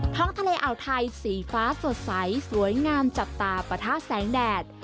ท้องทะเลอ่าวไทยสีฟ้าสดใสสวยงามจับตาปะทะแสงแดด